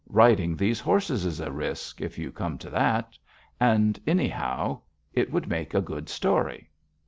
Riding these horses is a risk, if you come to that. Anyhow, it would make a good story."